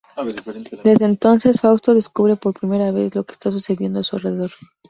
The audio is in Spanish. Desde entonces, Fausto descubre por primera vez lo que está sucediendo a su alrededor.